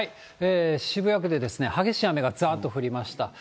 渋谷区でですね、激しい雨がざっと降りました。